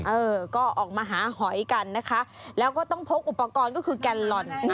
เออก็ออกมาหาหอยกันนะคะแล้วก็ต้องพกอุปกรณ์ก็คือแกนลอน